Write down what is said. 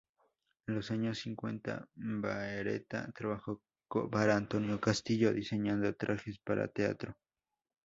En los años cincuenta, Beretta trabajó para Antonio Castillo, diseñando trajes para teatro.